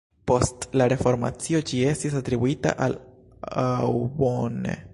Post la reformacio ĝi estis atribuita al Aubonne.